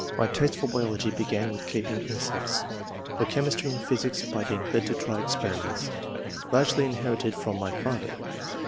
My taste for biology began with keeping insects; for che mistry and physics, by being led to try experi ments. Largely inherited from my father.